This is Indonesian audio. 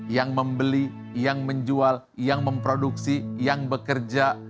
yang membeli yang menjual yang memproduksi yang bekerja